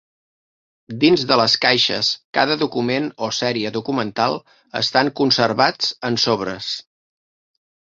Dins de les caixes cada document o sèrie documental estan conservats en sobres.